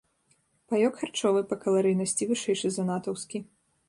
Паёк харчовы па каларыйнасці вышэйшы за натаўскі.